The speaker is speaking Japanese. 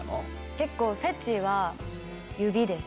結構、フェチは指です。